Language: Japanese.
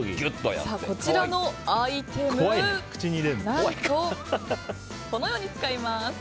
こちらのアイテム何と、このように使います。